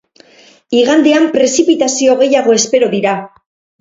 Igandean prezipitazio gehiago espero dira.